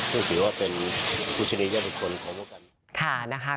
ต้องถือว่าเป็นพุทธนิยะบุคคลของนักศึกษา